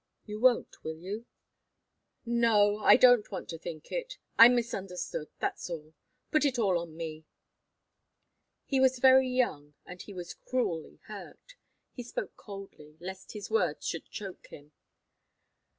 You won't, will you?" "No I don't want to think it. I misunderstood that's all. Put it all on me." He was very young, and he was cruelly hurt. He spoke coldly, lest his words should choke him.